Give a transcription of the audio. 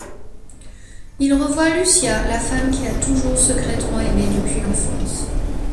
Il revoit Lucia, la femme qu'il a toujours secrètement aimée depuis l'enfance.